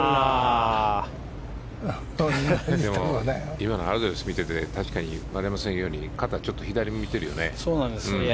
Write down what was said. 今のアドレスを見てて丸山さんが言うように肩がちょっと左に向いてるよね。